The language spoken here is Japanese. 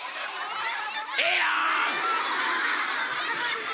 ええやん！